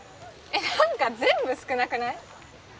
何か全部少なくない？